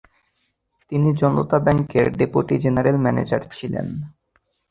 তিনি জনতা ব্যাংকের deputy general manager ছিলেন।